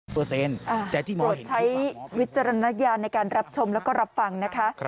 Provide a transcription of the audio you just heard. ใช้วิจารณญาณในการรับชมแล้วก็รับฟังนะคะ